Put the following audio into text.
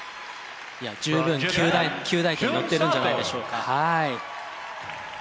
いや十分及第点に乗ってるんじゃないでしょうか。